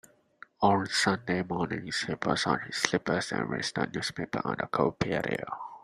On Sunday mornings, he puts on his slippers and reads the newspaper on the cold patio.